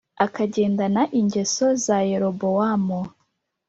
akagendana ingeso za Yerobowamu